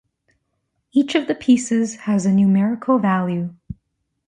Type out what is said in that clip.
Each of the pieces has a numerical value.